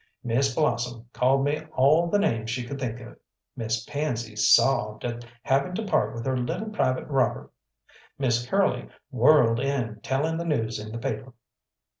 Miss Blossom called me all the names she could think of; Miss Pansy sobbed at having to part with her little private robber; Miss Curly whirled in telling the news in the paper.